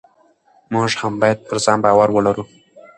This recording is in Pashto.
موږ هم باید پر ځان باور ولرو.